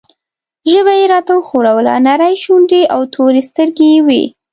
ژبه یې راته وښوروله، نرۍ شونډې او تورې سترګې یې وې.